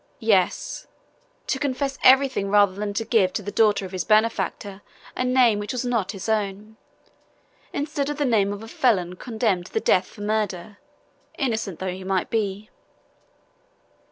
Yes! To confess everything rather than to give to the daughter of his benefactor a name which was not his, instead of the name of a felon condemned to death for murder, innocent though he might be!